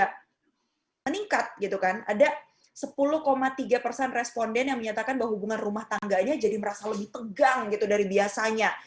ada meningkat gitu kan ada sepuluh tiga persen responden yang menyatakan bahwa hubungan rumah tangganya jadi merasa lebih tegang gitu dari biasanya